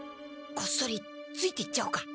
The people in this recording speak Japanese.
こっそりついていっちゃおうか。